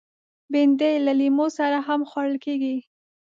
بېنډۍ له لیمو سره هم خوړل کېږي